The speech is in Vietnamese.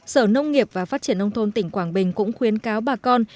sở nông nghiệp và phát triển nông thôn tỉnh quảng bình cũng khuyến cáo bà con